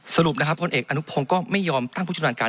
สรุปนะครับพลเอกอนุพงศ์ก็ไม่ยอมตั้งผู้จัดการการ